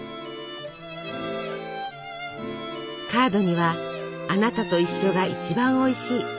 カードには「あなたと一緒が一番おいしい」。